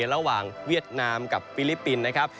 เวียดนามกับฟิลิปปินส์นะครับ